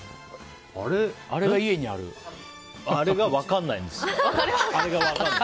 あれが分かんないんです。